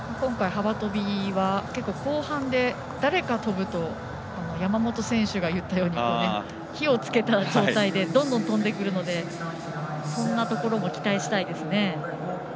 今回幅跳びは後半誰か跳ぶと山本選手が言ったように火をつけた状態でどんどん跳んでくるのでそんなところも期待したいです。